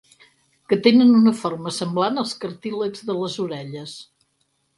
Que tenen una forma semblant als cartílags de les orelles.